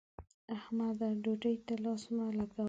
احمده! ډوډۍ ته لاس مه لګوه.